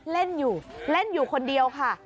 เล่นอยู่คนเดียวค่ะ